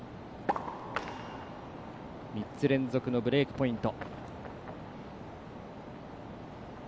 ３つ連続のブレークポイント。